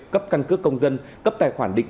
cấp căn cước công dân cấp tài khoản định